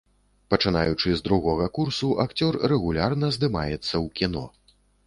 Пачынаючы з другога курсу, акцёр рэгулярна здымаецца ў кіно.